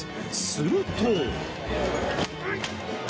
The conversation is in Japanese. すると。